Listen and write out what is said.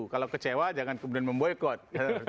kalau kecewa jangan kemudian memboykot